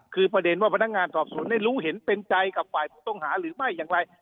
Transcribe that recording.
คือประเด็นว่าพนักงานสอบสวนได้รู้เห็นเป็นใจกับฝ่ายผู้ต้องหาหรือไม่อย่างไร